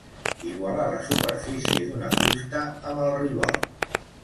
Igualar la superfície d'una fusta amb el ribot.